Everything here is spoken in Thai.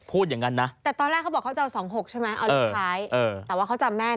พูดอย่างนั้นนะแต่ตอนแรกเขาบอกเขาจะเอา๒๖ใช่ไหมเอาเลขท้ายแต่ว่าเขาจำแม่น